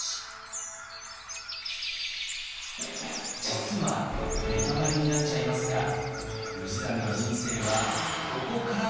実はネタバレになっちゃいますが氏真の人生はここからがおもしろい！